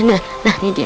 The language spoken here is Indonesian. nah nah nih dia